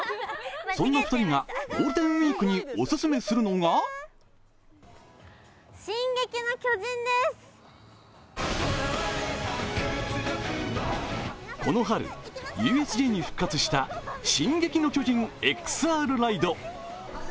そんな２人がゴールデンウイークにオススメするのがこの春、ＵＳＪに復活した「進撃の巨人ＸＲライド」。